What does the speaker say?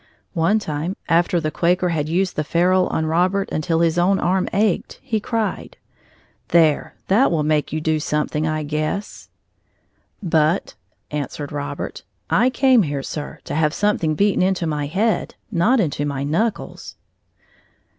One time, after the Quaker had used the ferule on Robert until his own arm ached, he cried: "There, that will make you do something, I guess." "But," answered Robert, "I came here, Sir, to have something beaten into my head, not into my knuckles."